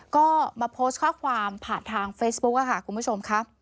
ก็มาโพสต์ข้อความผ่านทางเฟซบุ๊คค่ะคุณผู้ชมครับ